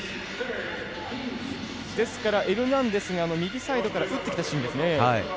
ですからエルナンデスが右サイドから打ってきたシーンですね。